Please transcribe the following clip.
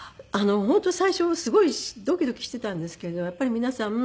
本当最初すごいドキドキしていたんですけどやっぱり皆さん